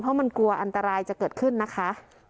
เพราะมันกลัวอันตรายจะเกิดขึ้นนะคะ